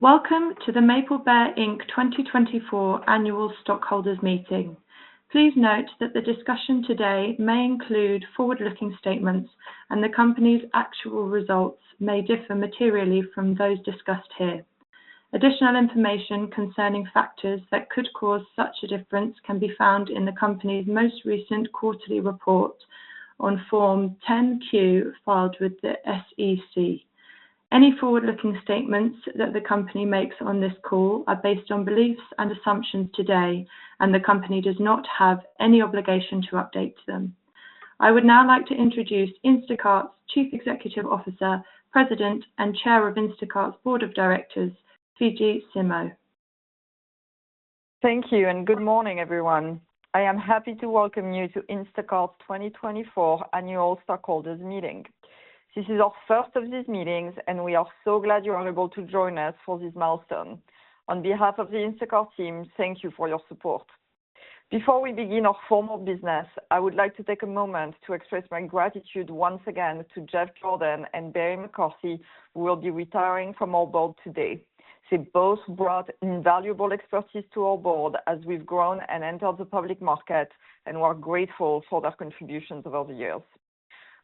Welcome to the Maple Bear Inc. 2024 Annual Stockholders Meeting. Please note that the discussion today may include forward-looking statements, and the company's actual results may differ materially from those discussed here. Additional information concerning factors that could cause such a difference can be found in the company's most recent quarterly report on Form 10-Q, filed with the SEC. Any forward-looking statements that the company makes on this call are based on beliefs and assumptions today, and the company does not have any obligation to update them. I would now like to introduce Instacart's Chief Executive Officer, President, and Chair of Instacart's Board of Directors, Fidji Simo. Thank you, and good morning, everyone. I am happy to welcome you to Instacart's 2024 Annual Stockholders Meeting. This is our first of these meetings, and we are so glad you're able to join us for this milestone. On behalf of the Instacart team, thank you for your support. Before we begin our formal business, I would like to take a moment to express my gratitude once again to Jeff Jordan and Barry McCarthy, who will be retiring from our board today. They both brought invaluable expertise to our board as we've grown and entered the public market, and we're grateful for their contributions over the years.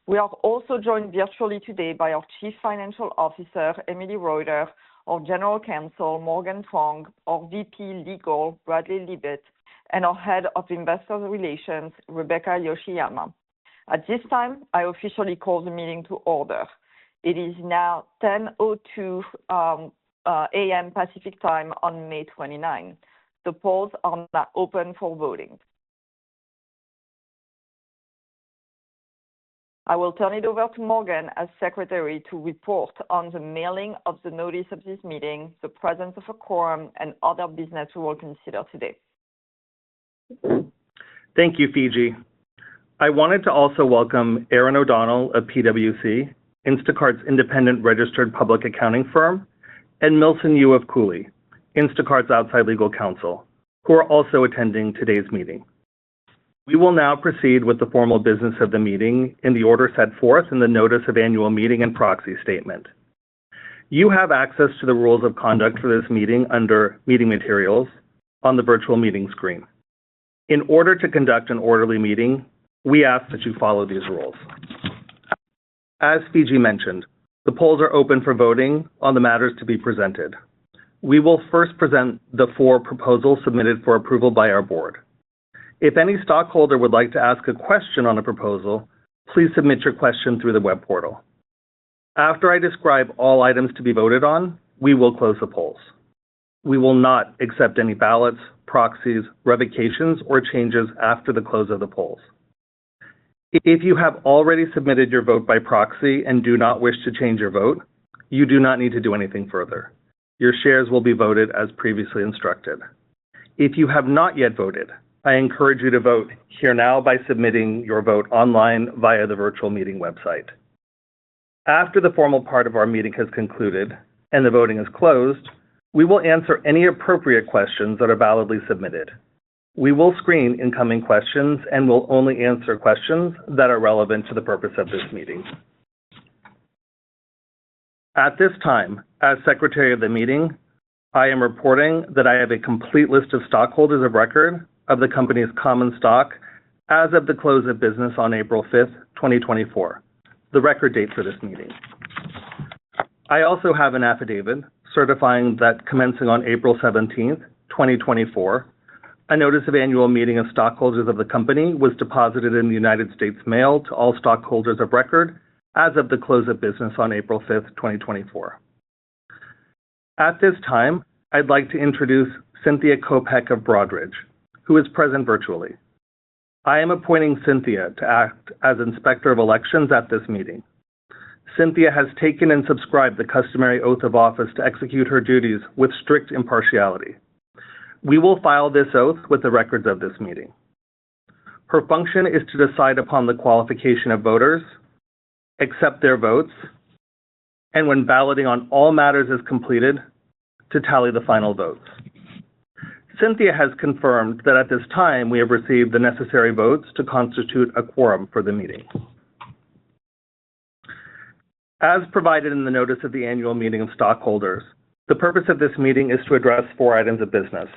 We are also joined virtually today by our Chief Financial Officer, Emily Reuter, our General Counsel, Morgan Fong, our VP Legal, Bradley Libuit, and our Head of Investor Relations, Rebecca Yoshiyama. At this time, I officially call the meeting to order. It is now 10:02 A.M. Pacific Time on May 29. The polls are now open for voting. I will turn it over to Morgan as Secretary to report on the mailing of the notice of this meeting, the presence of a quorum, and other business we will consider today. Thank you, Fidji. I wanted to also welcome Erin O'Donnell of PwC, Instacart's independent registered public accounting firm, and Milson Yu of Cooley, Instacart's outside legal counsel, who are also attending today's meeting. We will now proceed with the formal business of the meeting in the order set forth in the notice of annual meeting and proxy statement. You have access to the rules of conduct for this meeting under Meeting Materials on the virtual meeting screen. In order to conduct an orderly meeting, we ask that you follow these rules. As Fidji mentioned, the polls are open for voting on the matters to be presented. We will first present the four proposals submitted for approval by our board. If any stockholder would like to ask a question on a proposal, please submit your question through the web portal. After I describe all items to be voted on, we will close the polls. We will not accept any ballots, proxies, revocations, or changes after the close of the polls. If you have already submitted your vote by proxy and do not wish to change your vote, you do not need to do anything further. Your shares will be voted as previously instructed. If you have not yet voted, I encourage you to vote here now by submitting your vote online via the virtual meeting website. After the formal part of our meeting has concluded and the voting is closed, we will answer any appropriate questions that are validly submitted. We will screen incoming questions and will only answer questions that are relevant to the purpose of this meeting. At this time, as Secretary of the meeting, I am reporting that I have a complete list of stockholders of record of the company's common stock as of the close of business on April 5, 2024, the record date for this meeting. I also have an affidavit certifying that commencing on April 17, 2024, a notice of annual meeting of stockholders of the company was deposited in the United States Mail to all stockholders of record as of the close of business on April 5, 2024. At this time, I'd like to introduce Cynthia Kopec of Broadridge, who is present virtually. I am appointing Cynthia to act as Inspector of Elections at this meeting. Cynthia has taken and subscribed the customary oath of office to execute her duties with strict impartiality. We will file this oath with the records of this meeting. Her function is to decide upon the qualification of voters, accept their votes, and when balloting on all matters is completed, to tally the final votes. Cynthia has confirmed that at this time, we have received the necessary votes to constitute a quorum for the meeting. As provided in the notice of the annual meeting of stockholders, the purpose of this meeting is to address four items of business.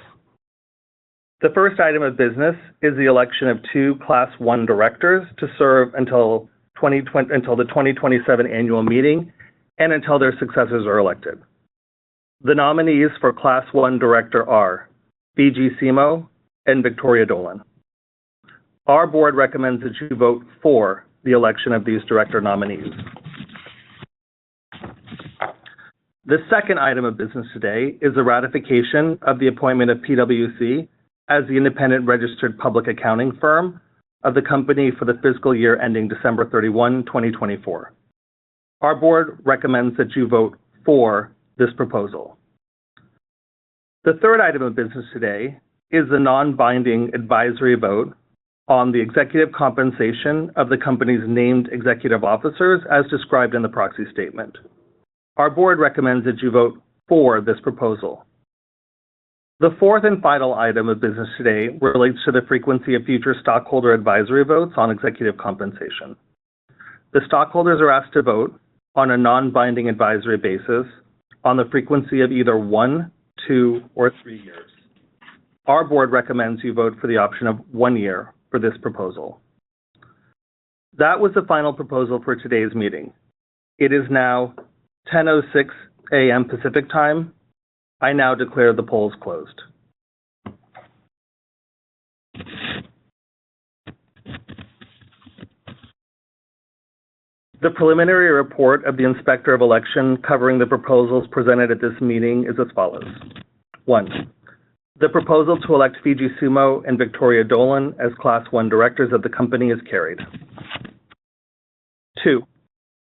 The first item of business is the election of two Class One directors to serve until the 2027 annual meeting and until their successors are elected. The nominees for Class One director are Fidji Simo and Victoria Dolan. Our board recommends that you vote for the election of these director nominees. The second item of business today is the ratification of the appointment of PwC as the independent registered public accounting firm of the company for the fiscal year ending December 31, 2024. Our board recommends that you vote for this proposal. The third item of business today is the non-binding advisory vote on the executive compensation of the company's named executive officers, as described in the proxy statement. Our board recommends that you vote for this proposal. The fourth and final item of business today relates to the frequency of future stockholder advisory votes on executive compensation. The stockholders are asked to vote on a non-binding advisory basis on the frequency of either 1, 2, or 3 years. Our board recommends you vote for the option of 1 year for this proposal. That was the final proposal for today's meeting. It is now 10:06 A.M. Pacific Time. I now declare the polls closed. The preliminary report of the Inspector of Elections covering the proposals presented at this meeting is as follows: 1, the proposal to elect Fidji Simo and Victoria Dolan as Class I directors of the company is carried. 2,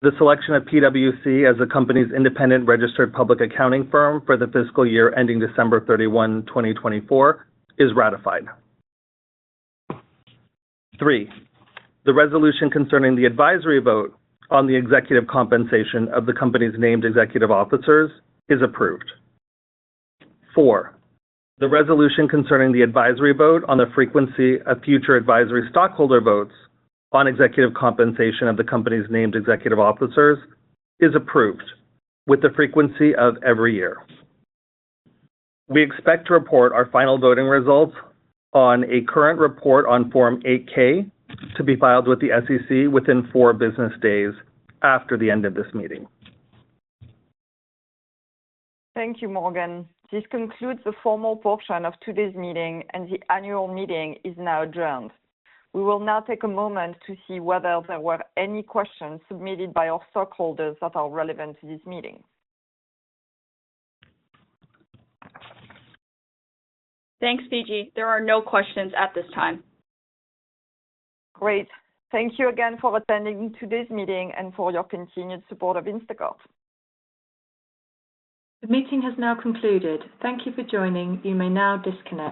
the selection of PwC as the company's independent registered public accounting firm for the fiscal year ending December 31, 2024, is ratified. 3, the resolution concerning the advisory vote on the executive compensation of the company's named executive officers is approved. 4, the resolution concerning the advisory vote on the frequency of future advisory stockholder votes on executive compensation of the company's named executive officers is approved with the frequency of every year. We expect to report our final voting results on a current report on Form 8-K, to be filed with the SEC within four business days after the end of this meeting. Thank you, Morgan. This concludes the formal portion of today's meeting and the annual meeting is now adjourned. We will now take a moment to see whether there were any questions submitted by our stockholders that are relevant to this meeting. Thanks, Fidji. There are no questions at this time. Great. Thank you again for attending today's meeting and for your continued support of Instacart. The meeting has now concluded. Thank you for joining. You may now disconnect.